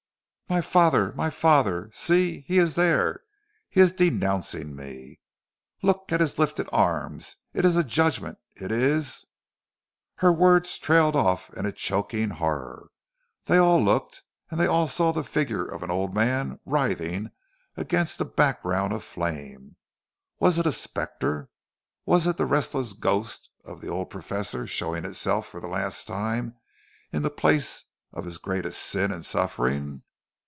"My father! my father! See! see! he is there! He is denouncing me! Look at his lifted arms! It is a judgment, it is " Her words trailed off in choking horror. They all looked, and they all saw the figure of an old man writhing against a background of flame. Was it a spectre? Was it the restless ghost of the old professor showing itself for the last time in the place of his greatest sin and suffering?